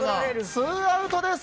ツーアウトです。